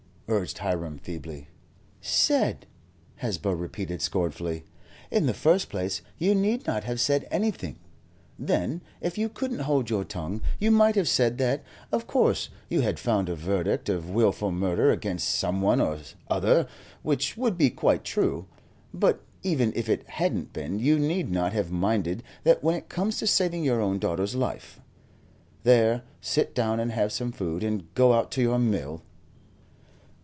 urged Hiram, feebly. "Said?" Hesba repeated, scornfully. "In the first place you need not have said anything; then if you couldn't hold your tongue, you might have said that, of course, you had found a verdict of wilful murder against some one or other, which would be quite true; but even if it hadn't been you need not have minded that when it comes to saving your own daughter's life. There, sit down and have some food, and go out to your mill."